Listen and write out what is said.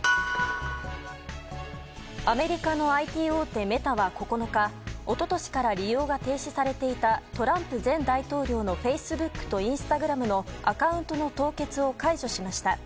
アメリカのＩＴ大手メタは９日一昨年から利用が停止されていたトランプ前大統領のフェイスブックとインスタグラムのアカウントの凍結を解除しました。